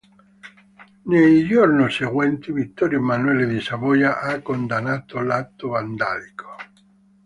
Nei giorni seguenti, Vittorio Emanuele di Savoia ha condannato l'atto vandalico.